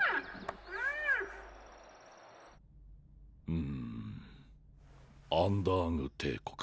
うむアンダーグ帝国